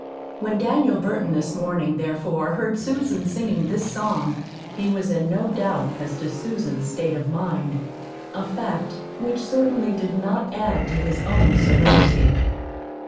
When Daniel Burton, this morning, therefore, heard Susan singing this song, he was in no doubt as to Susan's state of mind a fact which certainly did not add to his own serenity.